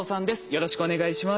よろしくお願いします。